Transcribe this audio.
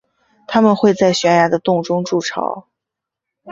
它们会在悬崖的洞中筑巢。